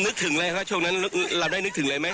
นึกถึงเลยค่ะช่วงนั้นเราก็ได้นึกถึงเลยไหม